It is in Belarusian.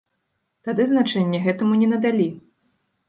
Тады значэння гэтаму не надалі.